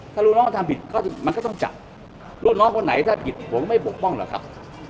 ถ้าลูกน้องเขาทำผิดก็มันก็ต้องจับลูกน้องคนไหนถ้าผิดผมไม่ปกป้องหรอกครับ